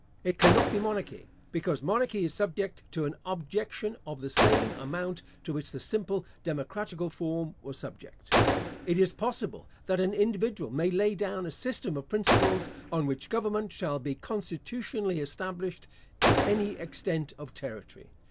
It cannot be monarchy, because monarchy is subject to an objection of the same amount to which the simple democratical form was subject. It is possible that an individual may lay down a system of principles, on which government shall be constitutionally established to any extent of territory.